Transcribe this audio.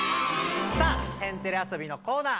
さあ天てれ遊びのコーナー